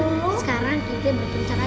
kagak kagak ada kagak ada